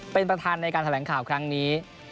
เป็นประธานในการแถลงข่าวครั้งนี้